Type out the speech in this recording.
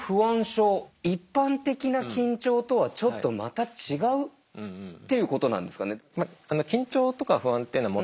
症一般的な緊張とはちょっとまた違うっていうことなんですかね？